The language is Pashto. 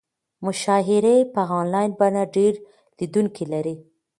مشاعرې په انلاین بڼه ډېر لیدونکي لري.